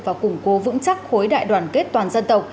và củng cố vững chắc khối đại đoàn kết toàn dân tộc